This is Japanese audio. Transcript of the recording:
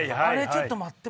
ちょっと待って。